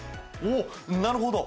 おおなるほど。